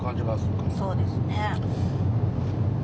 そうですね。